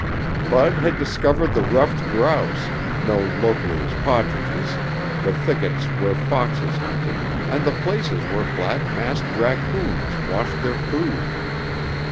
Bud had discovered the ruffed grouse, known locally as "pat'tidges," the thickets where foxes hunted and the places where black masked raccoons washed their food.